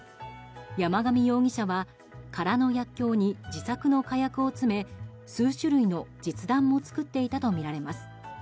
山上容疑者は空の薬きょうに自作の火薬を詰め数種類の実弾も作っていたとみられます。